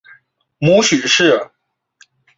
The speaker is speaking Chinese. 母许氏。